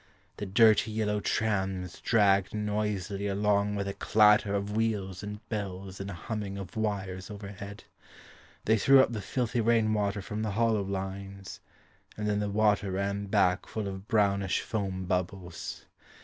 The dirty yellow trams Dragged noisily along With a clatter of wheels and bells And a humming of wires overhead. They threw up the filthy rain water from the hollow lines And then the water ran back Full of brownish foam bubbles.